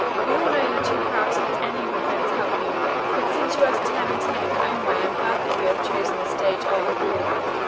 We all know you're too proud to let any of your friends help you, but since you are determined to make your own way I'm glad that you have chosen the stage, after all."